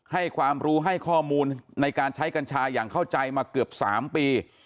ให้ความรู้ให้ข้อมูลในการใช้กัญชาอย่างเข้าใจมาเกือบ๓ปี